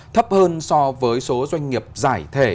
thấp hơn so với số doanh nghiệp giải thể